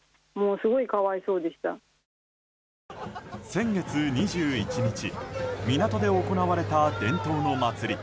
先月２１日港で行われた伝統の祭り